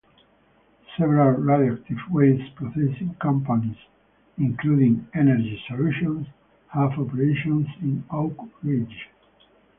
Several radioactive waste processing companies, including EnergySolutions, have operations in Oak Ridge.